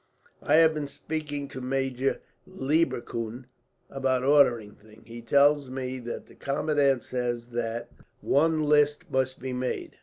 "I have been speaking to Major Leiberkuhn about ordering things. He tells me that the commandant says that one list must be made.